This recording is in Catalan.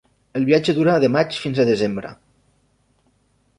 El viatge dura de maig fins a desembre.